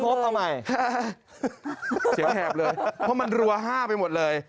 เสียงแหบเลยเพราะมันรัวห้าไปหมดเลย